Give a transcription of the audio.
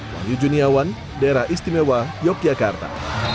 wahyu juniawan daerah istimewa yogyakarta